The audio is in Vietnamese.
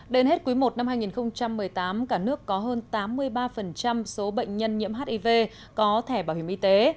đến hết quý i năm hai nghìn một mươi tám cả nước có hơn tám mươi ba số bệnh nhân nhiễm hiv có thẻ bảo hiểm y tế